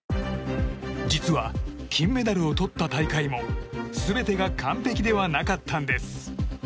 実は、金メダルをとった大会も全てが完璧ではなかったんです。